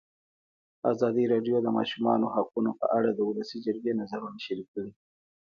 ازادي راډیو د د ماشومانو حقونه په اړه د ولسي جرګې نظرونه شریک کړي.